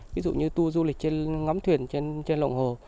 ví dụ như tour du lịch ngắm thuyền trên lồng hồ